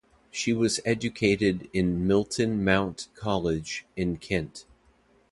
She was educated in Milton Mount College in Kent.